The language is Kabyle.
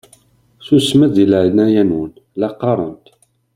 Susmet deg leɛnaya-nwen la qqaṛent!